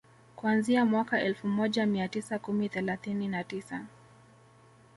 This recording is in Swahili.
Kuanzia mwaka Elfu moja mia tisa kumi thelathini na tisa